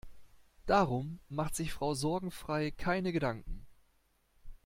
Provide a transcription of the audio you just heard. Darum macht sich Frau Sorgenfrei keine Gedanken.